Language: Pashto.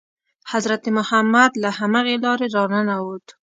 حضرت محمد له همغې لارې را ننووت.